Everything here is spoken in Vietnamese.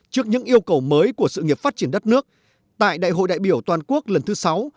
trước những yêu cầu mới của sự nghiệp phát triển đất nước tại đại hội đại biểu toàn quốc lần thứ sáu